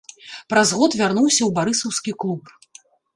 Праз год вярнуўся ў барысаўскі клуб.